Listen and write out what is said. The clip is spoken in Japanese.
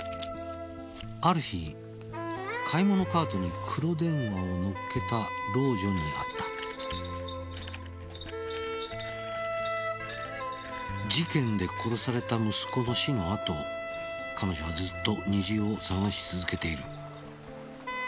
「ある日買い物カートに黒電話を乗っけた老女に会った」「事件で殺された息子の死の後彼女はずっと虹を探し続けている」